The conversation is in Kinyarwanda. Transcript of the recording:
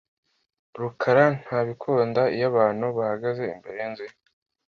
rukara ntabikunda iyo abantu bahagaze imbere yinzu ye .